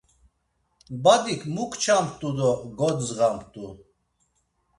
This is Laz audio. Badik mu kçamt̆u do gondzğamt̆u?